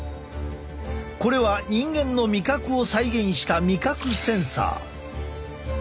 これは人間の味覚を再現した味覚センサー。